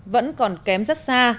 vẫn còn kém rất xa